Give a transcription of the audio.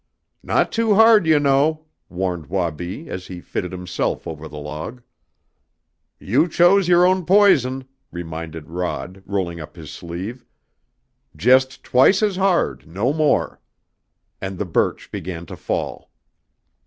"Not too hard, you know," warned Wabi, as he fitted himself over the log. "You chose your own poison," reminded Rod, rolling up his sleeve. "Just twice as hard, no more!" And the birch began to fall.